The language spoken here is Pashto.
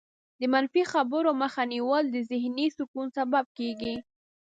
د منفي خبرو مخه نیول د ذهني سکون سبب کېږي.